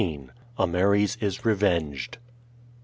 AMERES IS REVENGED.